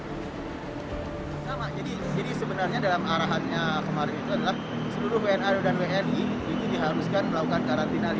jadi sebenarnya dalam arahannya kemarin itu adalah seluruh wna dan wni ini diharuskan melakukan karantina lima hari